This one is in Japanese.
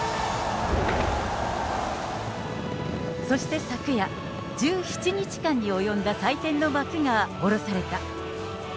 そして昨夜、１７日間に及んだ祭典の幕が下ろされた。